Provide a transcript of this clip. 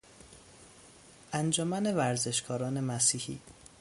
انجمن ورزشکاران مسیحی